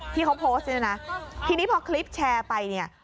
ที่เขาโพสต์เนี่ยนะทีนี้พอคลิปแชร์ไปเนี่ย